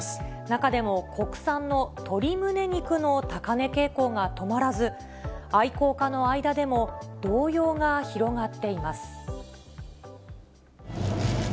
中でも国産の鶏むね肉の高値傾向が止まらず、愛好家の間でも動揺が広がっています。